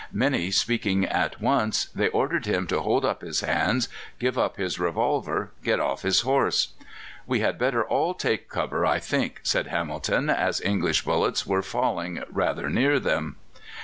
Many speaking at once, they ordered him to hold up his hands, give up his revolver, get off his horse. "We had better all take cover, I think," said Hamilton, as English bullets were falling rather near them.